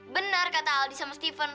benar kata aldi sama stephen